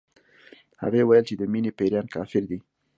هغې ويل چې د مينې پيريان کافر دي